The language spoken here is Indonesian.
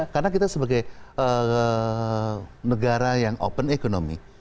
karena kita sebagai negara yang open economy